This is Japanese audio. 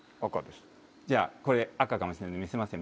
じゃあこれ赤かもしれないので見せますね